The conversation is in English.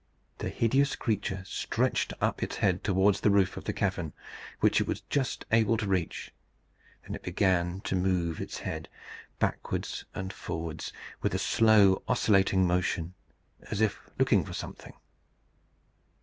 The hideous creature stretched up its head towards the roof of the cavern, which it was just able to reach. It then began to move its head backwards and forwards, with a slow oscillating motion, as if looking for something.